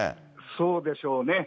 そうでしょうね。